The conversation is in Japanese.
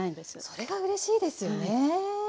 それがうれしいですよね。